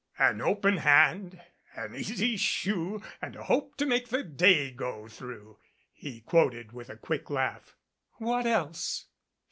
" 'An open hand, an easy shoe and a hope to make the day go through,' " he quoted with a quick laugh. "What else?"